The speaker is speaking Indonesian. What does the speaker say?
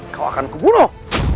kau akan kubunuh